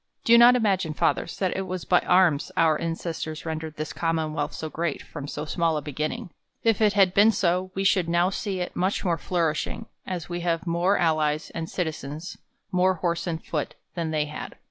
Do not imagine, Fathers, that it was by arms our ancestors rendered this Commonwealth so great, from so small a beginning. If it had been so, we should now see it much more flourishing, as we have more al lies and citizens, more horse and foot, than they had.